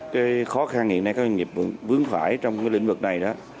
cái khó khăn hiện nay các doanh nghiệp vướng phải trong lĩnh vực này đó